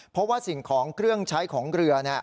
เพราะว่าสิ่งของเครื่องใช้ของเรือ